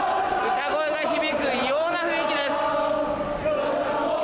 歌声が響く異様な雰囲気です。